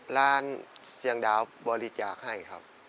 เสียงดาวบริจาคให้ครับ